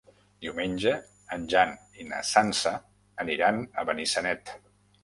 Diumenge en Jan i na Sança aniran a Benissanet.